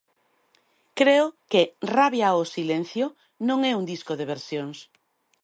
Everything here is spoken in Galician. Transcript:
Creo que "Rabia ao silencio" non é un disco de versións.